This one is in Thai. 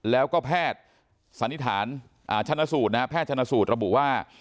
แล้วก็แพทย์สันนิษฐานแพทย์ชนสูตรระบุว่า